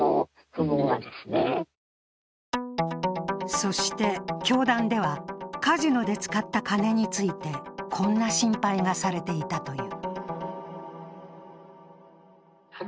そして教団では、カジノで使った金について、こんな心配がされていたという。